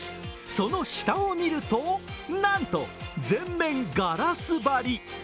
その下を見ると、なんと全面ガラス張り。